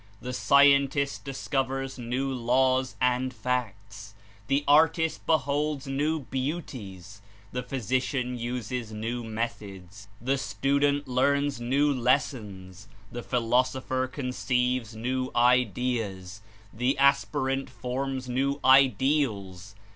The scientist discovers new laws and facts; the artist beholds new beauties; the physician uses new methods; the student learns new lessons, the philosopher conceives new ideas; the aspirant forms new ideals.